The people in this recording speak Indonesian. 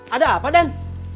ada apa den